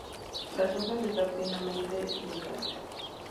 Las hojas están finamente dentadas.